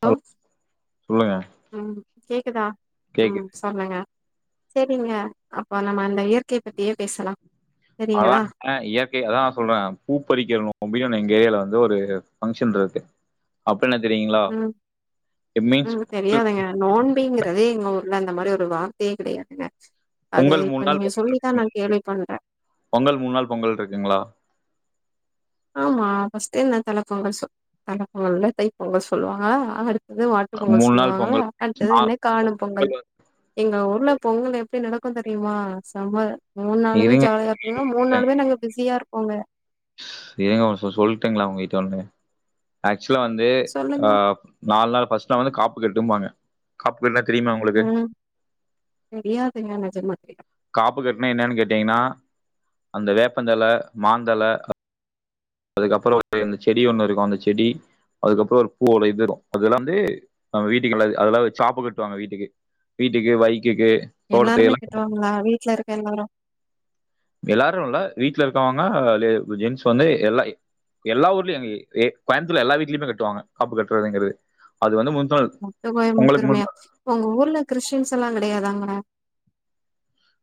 Hello சொல்லுங்க ம் கேக்குதா கேக்குது ம் சொல்லுங்க செரிங்க அப்போ நம்ம அந்த இயற்கைய பத்தியே பேசலா அதா செரிங்களா ஆ இயற்கை அதா சொல்றே பூ பறிக்கணு நோன்பின்னு ஒன்னு எங்க ஏரியால வந்து ஒரு பங்க்ஷன் இருக்கு அப்டீன்னா என்னனு தெரியுங்ளா ம் இட் மீன்ஸ் ம் தெரியாதுங்க நோன்பிங்கறதே எங்க ஊர்ல இந்த மாறி ஒரு வார்த்தையே கெடையாதுங்க அது பொங்கல் மூணு இப்ப நாள் நீங்க சொல்லிதா நா கேள்வி பண்றே பொங்கல் மூணு நாள் பொங்கல் இருக்குங்ளா ஆமா ஃபர்ஸ்ட்டே என்ன தலப்பொங்கல் சொ தலப்பொங்கல்ல தைப் பொங்கல்னு சொல்லுவாங்க அடுத் து மாட்டு பொங்கல் மூணு நாள் சொல்லுவாங்கள பொங்கல் அது நாலு என்ன காணும் பொங்கல் எங்க ஊர்ல பொங்கல் எப்டி நடக்கோ தெரியுமா செம்ம மூணு வந்து- நாளுமே இருங்க ஜாலியா இங்க மூணு நாளுமே நாங்க பிஸியா இருப்போங்க ஏங்க ஒர்விசயோ சொல்ட்டுங்ளா உங்ககிட்ட ஒன்னு ஆக்சுவலா வந்து அ சொல்லுங்க நாலு நாள் ஃபஸ்ட்டாலா வந்து காப்பு கட்டும்பாங்க காப்பு கட்டுனா தெரியுமா உங்குளுக்கு ம் தெரியாதுங்க நெஜ மாவே காப்பு கட்டுனா என்னன்னு கேட்டீங்கன்னா அந்த வேப்பந்தல மாந்தல அதுக்கப்புறோ ஒரு அந்த செடி ஒண்ணு இருக்கோ அந்த செடி அதுக்கப்புறோ ஒரு பூவோட இது இருக் அதெல்லா வந்து நம்ம வீட்டுக்குல்லது அதெல்லா சாப்பு கட்டுவாங்க வீட்டுக்கு வீட்டுக்கு பைக்குக்கு தோட்டத்துக்கு எல்லாருமே எல்லா கட்டுவாங்களா வீட்டுல இருக்க எல்லாரு எல்லாரு இல்ல வீட்ல இருக்கவங்க ஜென்ஸ் வந்து எல்லா எல்லா ஊர்லயு கோயம்பத்தூர் எல்லா வீட்லயுமே கட்டுவாங்க காப்பு கட்டுறதுங்கிறது அது வந்து முந்தநல் முட்டு கோயம்புத்தூருமா உங்க ஊர்ல கிறிஸ்டின்ஸ் எல்லா கிடையாதாங்களா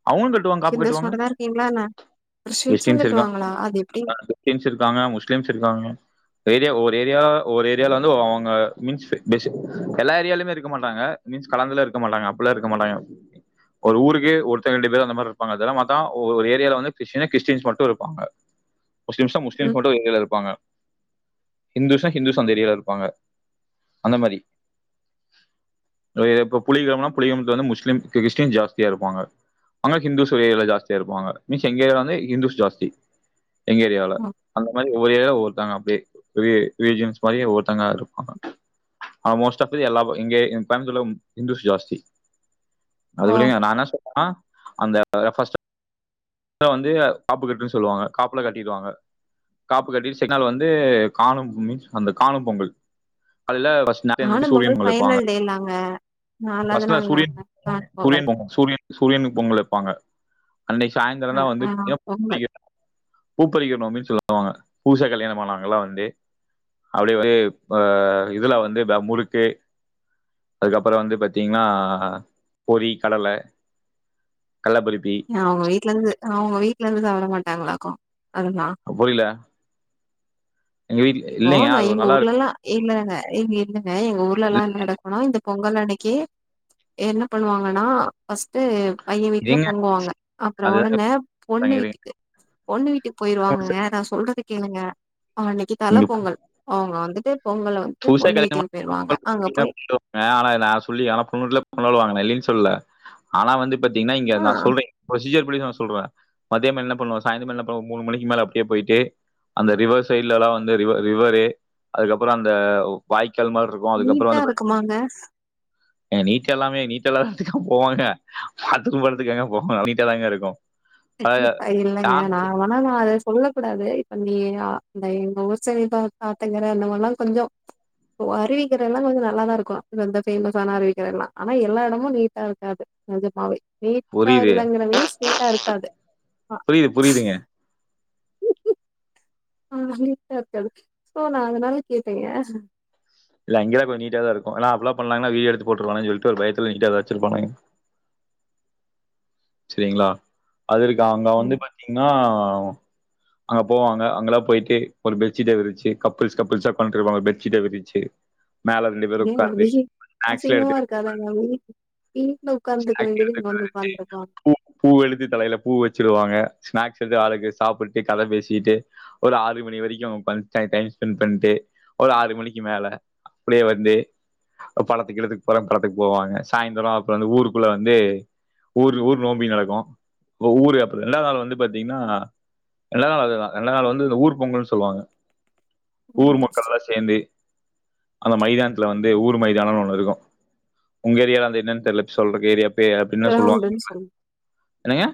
அவங்களு கட்டுவாங்க காப்பு ஹிந்துஸ் கட்டுவாங்க மட்டும்தா இருக்கீங்களா என்ன கிரிஸ்டின்ஸ்ம் கட்டுவாங்களா அது எப்டி கிறிஷ்டின்ஷ் இருக்காங்க முஸ்லீம்ஸ் இருக்காங்க ஏரியா ஒரு ஏரியா ஒரு ஏரியால வந்து அவங்க மீன்ஸ் எல்லா ஏரியாலயுமே இருக்க மாட்டாங்க மீன்ஸ் கலந்துல இருக்க மாட்டாங்க அப்பல்லா இருக்க மாட்டாங்க ஒரு ஊருக்கு ஒரு ரெண்டு பேர் அந்த மாதிரி இருப்பாங்க ஒரு ஏரியில வந்து கிறிஸ்டின்ஸ் மட்டு இருப்பாங்க முஸ்லிம்ஸ்ன்னா முஸ்லிம்ஸ் ம் மட்டு ஒரு ஏரியால இருப்பாங்க ஹிந்துஸ்ஸுன்னா ஹிந்துஸ் அந்த ஏரியலா இருப்பாங்க அந்த மாதிரி இப்ப புலியகுளம் புலியகுளத்ல வந்து முஸ்லீம் கிறஸ்டின் ஜாஸ்தியா இருப்பாங்க அங்க ஹிந்துஸ் ஏரிய ஜாஸ்தியா இருப்பாங்க மீன்ஸ் எங்க ஏரியால வந்து ஹிந்துஸ் ஜாஸ்தி எங்க ஏரியால ம் அந்த மாதிரி ஒரு ஏரியல்ல ஒருத்தாங்க அப்டியே ரிலீஜன்ஸ் மாதிரி ஒ ஒரருத்தங்க இருப்பாங்க ஆ மோஸ்ட் ஆஃப் தி எல்லா ஹிந்துஸ் ஜாஸ்தி அது ஓ விடுங்க நா என்ன சொல்றேன்னா அந்த ப்ர்ஸ்ட் வந்து காப்பு கட்டுன்னு சொல்லுவாங்க காப்புல கட்டிடுவாங்க காப்பு கட்டிட்டு செகன்ட் நாள் வந்து காணும் மீன்ஸ் அந்த காணு பொங்கல் கால்ல ஃபர்ஸ்ட் நேரத்துலே எழுந்துருச்சி காணும் சூரியன் பொங்கல் வைப்பாங்க ஃபைனல் டேலாங்க நாலாவது ஃபர்ஸ்ட் நாள் சூரியன் நாள்லாங்க காணும் பொங்கல் சூரியன் சூரியன் சூரியனுக்கு பொங்கல் வைப்பாங்க அன்னிக்கு சாயந்திர ஆ தா ஆ வந்துட்டு பொங்கல் பூப்பறிக்கணும் அப்டின்னு சொல்லுவாங்க புதுசா கல்யாணம்மானவங்க எல்லா வந்து அப்டி வந்து ஆ இதுல வந்து முருக்கு அதுக்கப்பற வந்து பார்த்தீங்கன்னா பொரி கடல கல்லபறிப்பி ஏ அவங்க வீட்ல இருந்து அவங்க வீட்ல இருந்து சாப்ட மாட்டாங்களாக்கும் அதெல்லா புரியல எங்க வீட்ல இப்போ இல்லங்க நா அது ஒரு எங்க நல்லா இருக்கும் ஊர்லல்லா இல்லங்க இங்க இல்லங்க எங்க ஊர்ல எல்லா என்ன நடக்கனுன்னா இந்த பொங்கல் அன்னிக்கு என்ன பண்ணுவாங்கன்னா ஃபர்ஸ்ட்டு பைய வீட்டுல இருங்க. பொங்குவாங்க அப்பற அதுதாங்க உடனே பொண்ணு சொல்றாங்க. இருங்க. வீட்டுக்கு பொண்ணு வீட்டுக்கு போயிருவாங்க நா சொல்றது கேளுங்க அவங்களுக்கு அன்னிக்கு தல நீங்க பு பொங்கல் அவங்க வந்துட்டு பொங்கல் வந்து புதுசா கல்யாணம் ஆன [unintelligible] ஆனா நா சொல்லி ஆனா பொண்ணூர்ல கொண்டாடுவாங்க நா இல்லன்னு சொல்லல ஆனா வந்து பாத்தீங்கன்னா இங்க ஆ நா சொல்ற பரொசீஜர் படி சொல்ற மதிய என்ன பண்ணுவோ சாயந்தரம் என் பண்ணுவ மூணு மணிக்கு மேல அப்டியே போயிட்டு அந்த ரிவர் சைட்லலா வந்து ரிவரு அதுக்கப்பற அந்த வாய்க்கால் மாருக்கு நீட்டா இருக்குமாங்கஸ் ஏங்க நீட்ட எல்லாமே நீட்ட இல்லாத இடத்துக்கு போவாங்க பத்து கும்டுறதுக்குங்க போவாங்க நீட்டு தாங்க இருக்கு ப்ப இல்ங்க நாங்கல்லா ஆனா நா அத சொல்ல கூடாது இப்ப நீ இந்த எங்க ஊர் சைடுல ஆத்தங்கற அந்த மாதிரல்லா கொஞ்ஜோ ஓ அறிவிக்கிற எல்லா கொஞ்ச நல்லாத தா இருக்கு இந்த ஃபேமஸான அறிவிக்கிற எல்லா ஆனா எல்லா எடமு நீட்டா இருக்காது நஜமாவே நீட்டா புரியுது. இல்லங்கிற மீன்ஸ் நீட்டா இருக் புரியுது புரியுதுங்க ஆ நீட்டா இருக்காது சோ நா அதனால கேட்டங்க இல்ல இங்கதா கொஞ்ச நீட்டாதா இருக்கு ஏன்னா அப்பல்லா பண்ணாங்கன்னா வீடியோ எடுத்து போட்டுருவானன்னு சொல்டு ஒரு பயத்துல நீட்டாதா வச்சிருப்பாங்க சேரிங்களா அது இருக்கு அவங்க வந்து பாத்தீங்கன்னா அங்க போவாங்க அங்கல்லா போயிட்டு ஒரு பெட்ஷீட்ட விரிச்சு கப்பிள்ஸ் கப்பிள்ஸ்சா உக்கான்டு இருபாங்க ஒரு பெட்ஷீட்ட விரிச்சு மேலவே ஏங்க உய்யி அசிங்கமா இருக்காதாங்க வீட்ல உக் உட்காந்துட்டு இருக்க ஸ்நாக்ஸ் வேண்டியது எடுத்து இங்க உக்கார வந்து வச்சு உட்கார்ந்து இருப்பாங் பூ பூ எடுத்து தலையில பூ வச்சுவிடுவாங்க ஸ்நாக்ஸ் எடுத்து ஆளுக்கு சாப்பிட்டு கத பேசிட்டு ஒரு ஆறு மணி வரைக்கு உக்கான் டைம் ஸ்பெண்ட் பண்ட்டு ஒரு ஆறு மணிக்கு மேல அப்டியே வந்து படத்துக்கு கிடத்துக்கு போறேங்க படத்துக்கு போவாங்க சாய்ந்தரோ அப்புற அந்த ஊருக்குள்ள வந்து ஊர் ஊர் நோம்பி நடக்கு ஓ ஊரு அப்புற ரெண்டாவது நாள் வந்து பாத்தீங்கன்னா ரெண்டாவது நாள் அதுதா ரெண்ட நாள் வந்து இந்த ஊர் பொங்கல்ன்னு சொல்லுவாங்க ஊர் மக்கள்ல்லா சே சேந்து அந்த மைதானத்துல வந்து ஊர் மைதானோன்னு ஒண்ணு இருக்கும் உங்க ஏரியால அந்த என்னன்னு தெர்ல சொல்றக்கு ஏரியா பே அப்படின்ன சொல்லுவாங்க கிரௌண்டுன்னு சொல்லு என்னங்க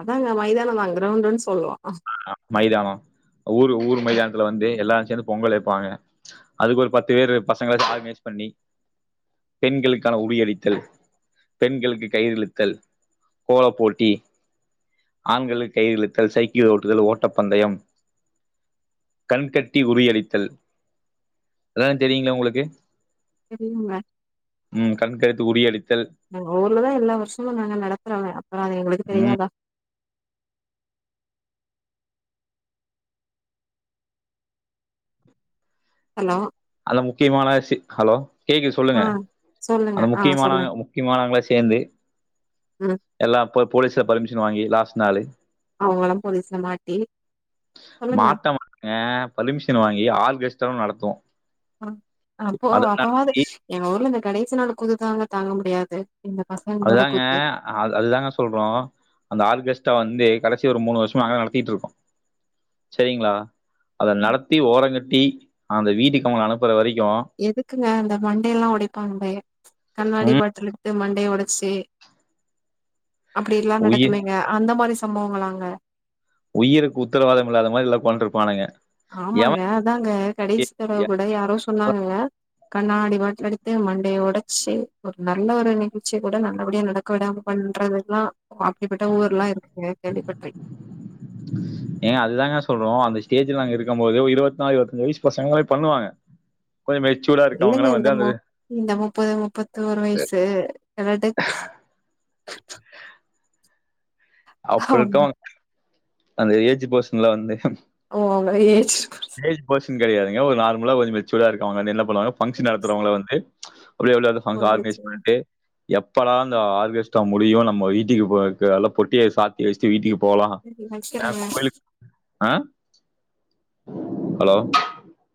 அதாங்க மைதானம் தா கிரௌண்டுன்னு சொல்வோ மைதானோ ஊர் ஊர் மைதானத்துல வந்து எல்லா சேந்து பொங்கல் வைப்பாங்க அதுக்கு ஒரு பத்து பேர் பசங்க ஆர்கனைஸ் பண்ணி பெண்களுக்கான உறி அடித்தல் பெண்களுக்கு கையிறிழுத்தல் கோல போட்டி ஆண்களுக் கயிறு இழுத்தல் சைக்கிள் ஓட்டுதல் ஓட்ட பந்தயம் கண்கட்டி உரியடித்தல் இதெல்லா தெரியுங்களா உங்களுக்கு தெரியுங்க ம் கண்கருத்து உறி அடித்தல் நாங்க ஊர்லதா எல்லா வருஷமு நாங்க நடத்துறமே அப்றோ அது எங்களுக்கு ம் தெரியாதா ஹலோ அதுல முக்கியமான சி ஹலோ கேக்குது சொல்லுங்க ஆ சொல்லுங்க அந்த ஆ சொல்லுங்க முக்கியமானவங்க முக்கியமானவங்களா சேந்து ம் எல்லா போ போலீஸ்ல பர்மிஷன் வாங்கி லாஸ்ட் நாலு அவங்களும் போலீஸ்ல மாட்டி சொல்லுங்க ஏ பர்மிஷன் வாங்கி ஆர்கேஸ்டாவும் நடத்துவோ ஆ அப்போ அப்பவாது எங்க ஊர்ல இந்த கடைசி நாள் குத்துதாங்க தாங்க முடியாது இந்த பசங்க அதாங்க அ அது தாங்க சொல்றோ அந்த ஆர்கஸ்ட்டா வந்து கடைசி ஒரு மூணு வருஷமா நாங்கதா நடத்திட்டு இருக்கோ சரிங்களா அத நடத்தி ஓரங்கட்டி அந்த வீட்டுக்கு அவங்கள அனுப்புற வரைக்கு எதுக்குங்க இந்த மண்டேல்லா ஓடைப்பாங்களே கண்ணாடி ம், பாட்டல் எடுத்து மண்டய ஒடச்சு அப்படி எல்லா உயிர் நடக்குமேங்க அந்த மாரி சம்பவங்களாங்க உயிருக்கு உத்தரவாதம் இல்லாத மாரி எல்லா உக்காண்டிருப்பானுங்க ஆமாங்க அதாங்க கடைசி தடவ கூட யாரோ சொன்னாங்கங்க கண்ணாடி பாட்டல் அடித்து மண்டையை ஓடச்சு ஒரு நல்ல ஒரு நிகழ்ச்சிய கூட நல்லபடியா நட க்க விடாம பண்றதுல்லா அப்டிப்பட்ட ஊர்லாம் இருக்குங்க கேள்விப்பட்ருக் ஏங்க அதுதாங்கே சொல்றோ அந்த ஸ்டேஜ்ல நாங்க இருக்கம் போது ஒரு இருவத்நாலு இருவத்தஞ்சி வயசு பசங்களே பண்ணுவாங்க கொஞ்ச மெச்சோடா இல்லைங்க இந்த முப் இந்த முப்பது முப்பத்தோரு வயசு வெடக் அப்டியிருக்கோனு அந்த ஏஜ் பசங்லா வந்து ஓ அவங்கலா ஏஜ்க்கு ஏஜ் பெர்சன் கிடையாதுங்க ஒரு நார்மலா கொஞ்சோ மெச்சூர்டா இருக்கவங்க வந்து என்ன பண்ணுவாங்க பங்க்ஷன் நடத்துறவங்கள வந்து உள்ளே உள்ளே உள்ள பங்ஷன் ஆர்கனைஸ் வந்துருச்சுங்க பண்ட்டு எப்படா அந்த ஆர்கெஸ்ட்ரா முடியு நம்ம வீட்டுக்கு போறதுக்கு காலைலே பொட்டியை சாத் இத வச்சிட்டு வீட்டுக்கு போலா சரி ஏ வைக்கிறங்க கோயிலுக்கு ஆ ஹலோ